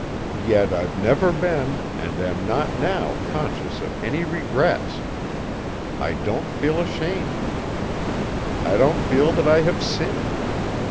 Yet I've never been and am not now conscious of any regrets. I don't feel ashamed. I don't feel that I have sinned.